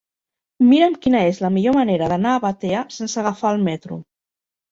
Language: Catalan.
Mira'm quina és la millor manera d'anar a Batea sense agafar el metro.